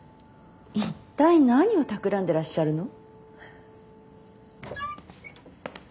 一体何をたくらんでらっしゃるの？